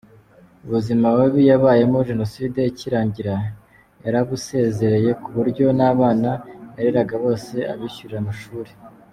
Ubuzima bubi yabayemo Jenoside ikirangira yarabusezereye ku buryo n’abana yareraga bose abishyurira amashuri.